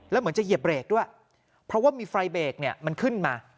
แล้วเหมือนจะเหยียบเบรกด้วยเพราะว่ามีไฟเบรกเนี่ยมันขึ้นมา